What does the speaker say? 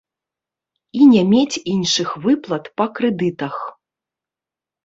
І не мець іншых выплат па крэдытах.